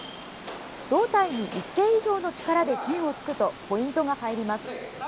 胴体に一定以上の力で剣を突くとポイントが入ります。